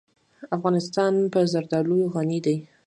افغانستان په زردالو غني دی.